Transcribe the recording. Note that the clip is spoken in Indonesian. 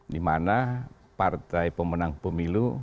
di mana partai pemenang pemilu